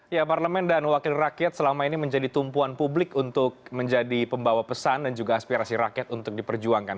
ya parlemen dan wakil rakyat selama ini menjadi tumpuan publik untuk menjadi pembawa pesan dan juga aspirasi rakyat untuk diperjuangkan